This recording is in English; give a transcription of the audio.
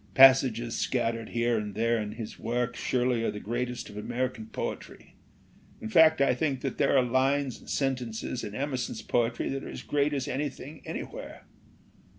Passages scattered here and there in his work surely are the greatest of American poetry. In fact, I think that there are lines and sentences in Emerson's poetry that are as great as anything anywhere."